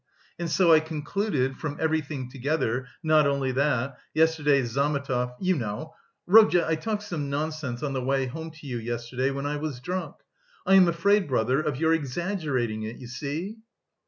And so I concluded... from everything together, not only that; yesterday Zametov... you know, Rodya, I talked some nonsense on the way home to you yesterday, when I was drunk... I am afraid, brother, of your exaggerating it, you see."